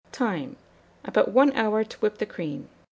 Time. About 1 hour to whip the cream.